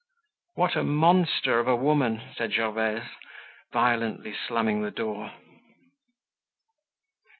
"What a monster of a woman!" said Gervaise violently slamming the door.